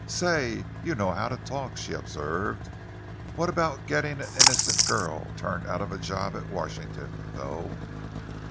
"Say, you know how to talk!" she observed. "What about getting an innocent girl turned out of a job at Washington, though?"